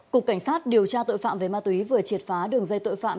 cục cảnh sát điều tra tội phạm về ma túy vừa triệt phá đường dây tội phạm